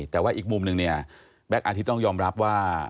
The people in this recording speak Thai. แต่ว่าอีกมุมหนึ่งเนี่ยแบ็คอาทิตย์ต้องยอมรับว่า